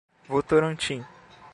Votorantim